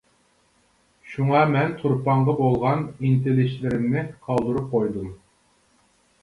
شۇڭا مەن تۇرپانغا بولغان ئىنتىلىشلىرىمنى قالدۇرۇپ قويدۇم.